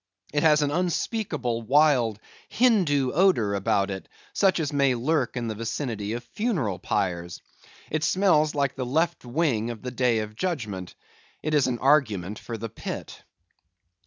It has an unspeakable, wild, Hindoo odor about it, such as may lurk in the vicinity of funereal pyres. It smells like the left wing of the day of judgment; it is an argument for the pit.